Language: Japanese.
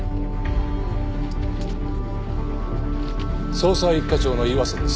捜査一課長の岩瀬です。